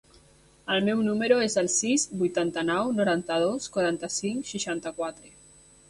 El meu número es el sis, vuitanta-nou, noranta-dos, quaranta-cinc, seixanta-quatre.